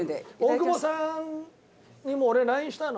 大久保さんにもう俺ＬＩＮＥしたの。